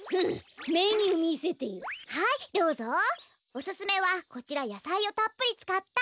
おすすめはこちらやさいをたっぷりつかった。